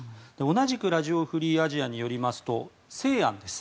同じくラジオ・フリー・アジアによりますと、西安です。